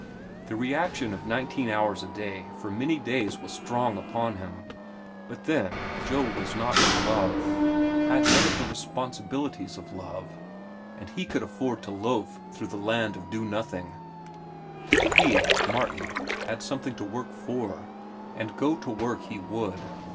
The reaction of nineteen hours a day for many days was strong upon him. But then, Joe was not in love, had none of the responsibilities of love, and he could afford to loaf through the land of nothing to do. He, Martin, had something to work for, and go to work he would.